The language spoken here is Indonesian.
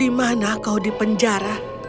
di mana kau di penjara